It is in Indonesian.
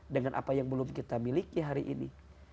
dengan apa yang belum kita miliki hari ini